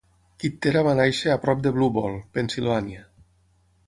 Kittera va néixer a prop de Blue Ball, Pennsylvania.